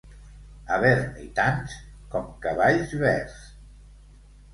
Haver-n'hi tants com cavalls verds.